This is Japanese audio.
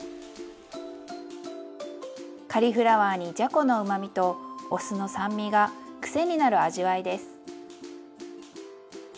カリフラワーにじゃこのうまみとお酢の酸味が癖になる味わいです。